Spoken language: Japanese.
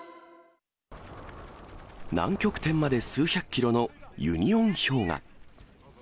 南極点まで数百キロのユニオン氷河。